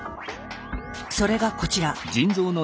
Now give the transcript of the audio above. それがこちら。